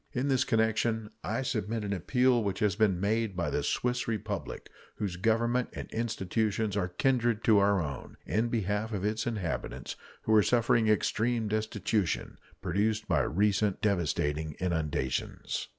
In this connection I submit an appeal which has been made by the Swiss Republic, whose Government and institutions are kindred to our own, in behalf of its inhabitants, who are suffering extreme destitution, produced by recent devastating inundations.